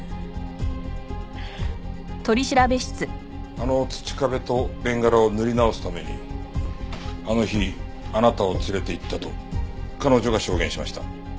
あの土壁とベンガラを塗り直すためにあの日あなたを連れて行ったと彼女が証言しました。